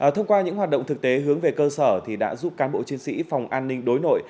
thông qua những hoạt động thực tế hướng về cơ sở đã giúp cán bộ chiến sĩ phòng an ninh đối nội